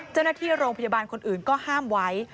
เจ้าหน้าที่โรงพยาบาลคนอื่นก็ห้ามไว้